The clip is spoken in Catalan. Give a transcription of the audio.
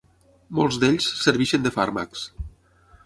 Molts d'ells serveixen de fàrmacs.